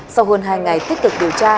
sau hơn hai ngày tích cực điều tra